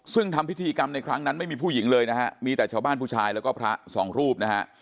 ซึ่งทำพิธีกรรมในครั้งนั้นไม่มีผู้หญิงเลยนะฮะมีแต่ชาวบ้านผู้ชายแล้วก็พระสองรูปนะฮะ